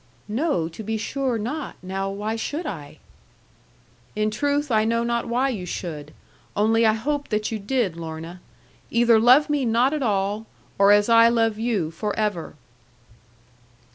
'No, to be sure not. Now why should I?' 'In truth, I know not why you should. Only I hoped that you did, Lorna. Either love me not at all, or as I love you for ever.'